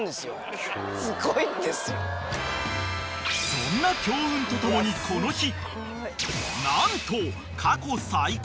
［そんな強運とともにこの日何と］